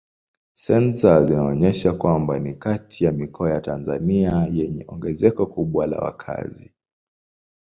Sensa zinaonyesha kwamba ni kati ya mikoa ya Tanzania yenye ongezeko kubwa la wakazi.